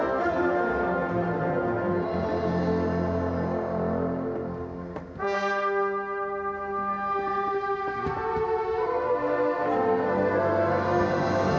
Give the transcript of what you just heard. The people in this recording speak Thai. สวัสดีครับ